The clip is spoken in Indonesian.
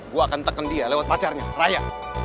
gue akan teken dia lewat pacarnya raya